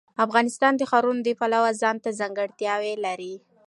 افغانستان د ښارونه د پلوه ځانته ځانګړتیا لري.